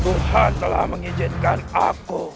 tuhan telah mengijinkan aku